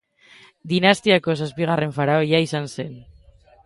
Dinastiako zazpigarren faraoia izan zen.